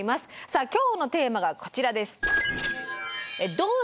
さあ今日のテーマがこちらです。